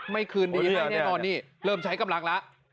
คืนดีให้แน่นอนนี่เริ่มใช้กำลังแล้ว